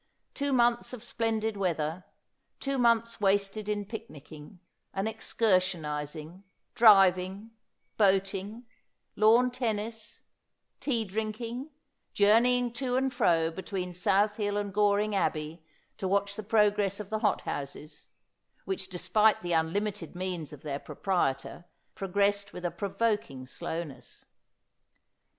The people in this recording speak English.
Two months of splendid weather ; two months wasted in picnicking, and excur^ionising, driving, boating, lawn tennis, tea drinking, journeying to and fro be tween South Hill and Goring Abbey to watch the progress of the hot houses, which, despite the unlimited means of their proprietor, progressed with a provoking slowness.